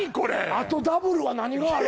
あとダブルは何がある？